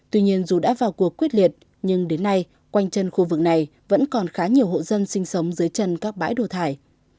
tuy nhiên dù đã vào cuộc quyết liệt nhưng đến nay quanh chân khu vực này vẫn còn khá nhiều hộ dân sinh sống dưới chân các bãi đổ thải